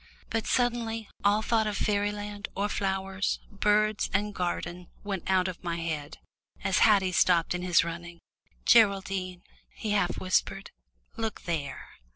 But suddenly all thought of fairyland or flowers, birds and garden, went out of my head, as Haddie stopped in his running. "Geraldine," he half whispered, "look there."